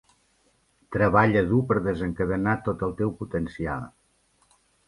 Treballa dur per desencadenar tot el teu potencial.